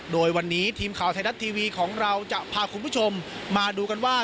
โดยวันนี้ทีมข่าวไทยรัฐทีวีของเราจะพาคุณผู้ชมมาดูกันว่า